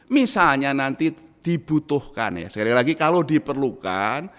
misalnya nanti dibutuhkan ya sekali lagi kalau diperlukan